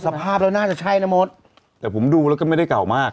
สภาพแล้วน่าจะใช่นะมดแต่ผมดูแล้วก็ไม่ได้เก่ามาก